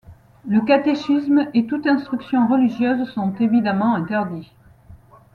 Le catéchisme et toute instruction religieuse sont évidemment interdits.